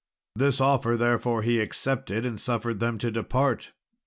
This offer, therefore, he accepted, and suffered them to depart.